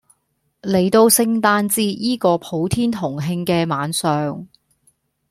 嚟到聖誕節依個普天同慶嘅晚上